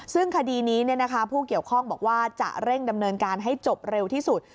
ซึ่งคดีนี้ผู้เกี่ยวข้องบอกว่าจะเร่งดำเนินการให้จบเร็วที่สุด